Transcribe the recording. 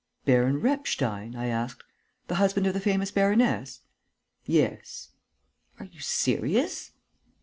"Baron Repstein?" I asked. "The husband of the famous baroness?" "Yes." "Are you serious?"